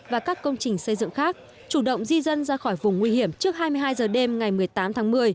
và các công trình xây dựng khác chủ động di dân ra khỏi vùng nguy hiểm trước hai mươi hai h đêm ngày một mươi tám tháng một mươi